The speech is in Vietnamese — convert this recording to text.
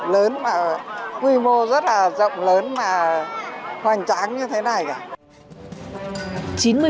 lớn mà quy mô rất là rộng lớn mà hoành tráng như thế này cả